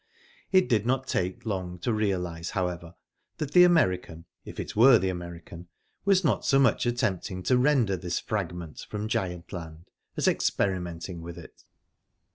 It did not take long to realise, however, that the American if it were the American was not so much attempting to render this fragment from giant land, as experimenting with it.